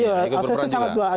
iya asosiasi sangat berperan